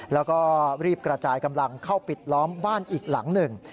แล้วก็รีบกระจายกำลังเข้าปิดล้อมบ้านอีกหลังหนึ่ง